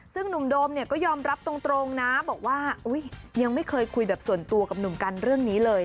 ซึ่งหนุ่มโดมเนี่ยก็ยอมรับตรงนะบอกว่ายังไม่เคยคุยแบบส่วนตัวกับหนุ่มกันเรื่องนี้เลย